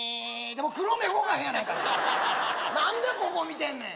もう黒目動かへんやないか何でここ見てんねん！